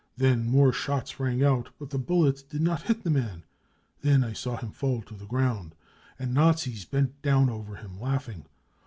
Then more shots rang out, but the bullets did not hit the man. Then I saw him fall to the ground, and Nazis bent down over him laughing.